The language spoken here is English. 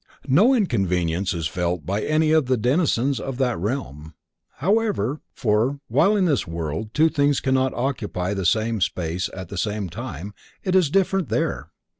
No inconvenience is felt by any of the denizens of that realm, however, for, while in this world two things cannot occupy the same space at the same time, it is different there.